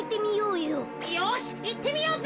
よしいってみようぜ！